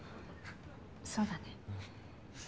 そうだね。